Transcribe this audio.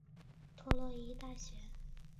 特洛伊大学逐渐演变成综合性的州立大学。